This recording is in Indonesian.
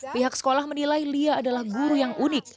pihak sekolah menilai lia adalah guru yang unik